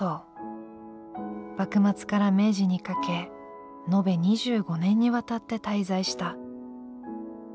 幕末から明治にかけ延べ２５年にわたって滞在した。